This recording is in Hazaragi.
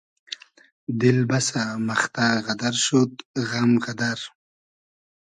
دیل بئسۂ مئختۂ غئدئر شود غئم غئدئر